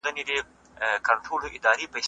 ¬ په شلومبو که څوک چاغېداى، غړکه به چاغه سوې واى.